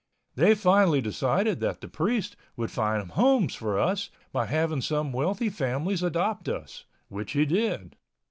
They finally decided that the priest would find homes for us by having some wealthy families adopt us, which he did.